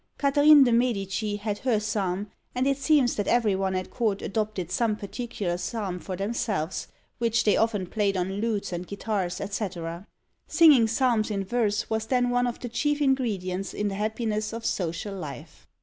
Catharine de' Medici had her psalm, and it seems that every one at court adopted some particular psalm for themselves, which they often played on lutes and guitars, &c. Singing psalms in verse was then one of the chief ingredients in the happiness of social life.